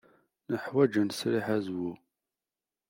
Neḥwaj ad nesriḥ azwu.